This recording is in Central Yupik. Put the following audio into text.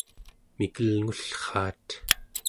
mikelngullraat